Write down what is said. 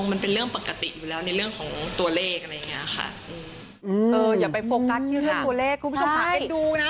อย่าไปโฟกัสที่ตัวเลขคุณผู้ชมพาไปดูนะ